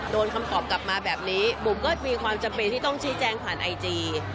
คำตอบกลับมาแบบนี้บุ๋มก็มีความจำเป็นที่ต้องชี้แจงผ่านไอจี